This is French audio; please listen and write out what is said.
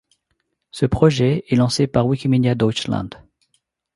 Ce projet est lancé par Wikimedia Deutschland.